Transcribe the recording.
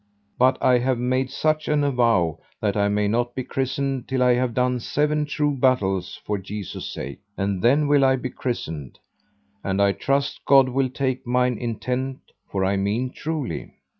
But I have made such an avow that I may not be christened till I have done seven true battles for Jesu's sake, and then will I be christened; and I trust God will take mine intent, for I mean truly.